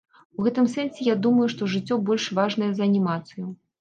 У гэтым сэнсе я думаю, што жыццё больш важнае за анімацыю.